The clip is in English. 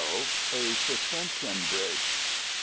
A SUSPENSION BRIDGE.